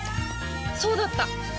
そうだった！